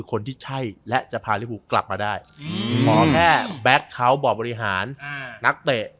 คนที่ใช่และจะพาริภูกลับมาได้ขอแค่แบ็คเขาบ่อบริหารนักเตะ